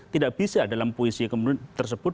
tidak bisa dalam puisi tersebut